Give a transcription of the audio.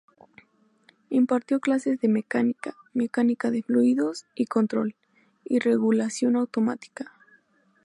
Impartió clases de Mecánica, Mecánica de Fluidos y Control y Regulación automática.